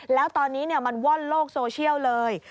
แล้วตอนนี้มันว่อนโลกโซเชียลเลย